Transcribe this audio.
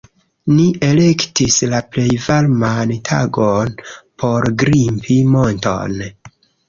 Ni elektis la plej varman tagon por grimpi monton